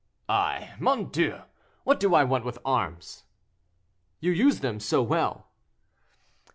"I! mon Dieu! what do I want with arms?" "You use them so well."